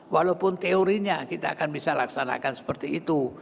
walaupun teorinya kita akan bisa laksanakan seperti itu